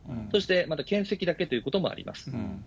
そしてまたけん責だけということもあります。